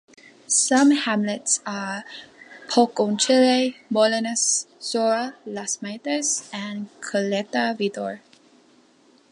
Some hamlets are Poconchile, Molinas, Sora, Las Maitas and Caleta Vitor.